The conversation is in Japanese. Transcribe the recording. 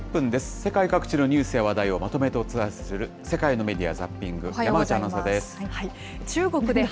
世界各地のニュースや話題をまとめてお伝えする、世界のメディア・ザッピング。